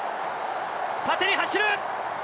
縦に走る！